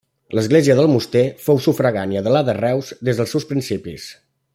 L'església d'Almoster fou sufragània de la de Reus des dels seus principis.